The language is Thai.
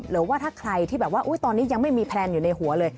หรือว่าถ้าใครที่แบบว่าตอนนี้ยังไม่มีแพลนอยู่ในหัวเลย